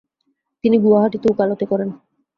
তিনি গুয়াহাটিতে উকালতি করেন।